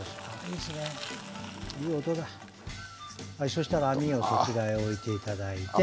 そうしたら網をそちらに置いていただいて。